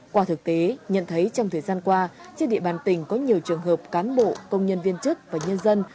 qua thực tế nhận thấy trong thời gian qua trên địa bàn tỉnh có nhiều trường hợp cán bộ công nhân viên chức và nhân dân